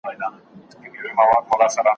د څراغ تتي رڼا ته وه لیدلې `